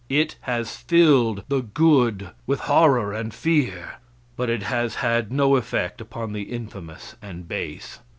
It has filled the good with horror and fear, but it has had no effect upon the infamous and base.